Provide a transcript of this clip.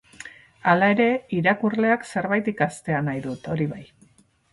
Hala ere, irakurleak zerbait ikastea nahi dut, hori bai.